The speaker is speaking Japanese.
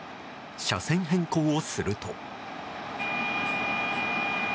車線変更をすると。